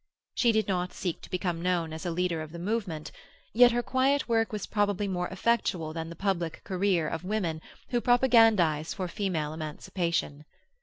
She did not seek to become known as the leader of a "movement," yet her quiet work was probably more effectual than the public career of women who propagandize for female emancipation.